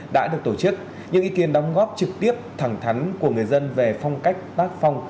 đã được tổ chức những ý kiến đóng góp trực tiếp thẳng thắn của người dân về phong cách tác phong